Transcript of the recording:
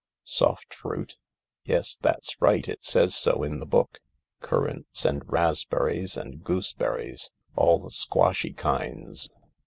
"Soft fruit? Yes, that's right, it says so in the book. Currants and raspberries and gooseberries — all the squashy kinds.